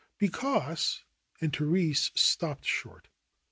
Because " and Therese stopped short.